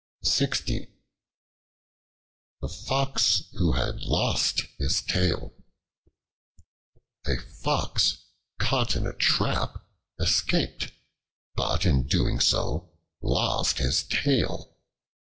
The Fox Who Had Lost His Tail A FOX caught in a trap escaped, but in so doing lost his tail.